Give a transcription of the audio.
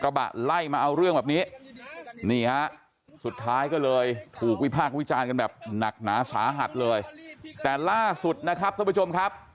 ไล่มาเอาเรื่องแบบนี้นี่ฮะสุดท้ายก็เลยถูกวิพากษ์วิจารณ์กันแบบหนักหนาสาหัสเลยแต่ล่าสุดนะครับท่านผู้ชมครับ